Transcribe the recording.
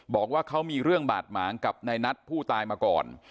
บอกว่าเขามีเรื่องบาดหมางกับนายนัทผู้ตายมาก่อน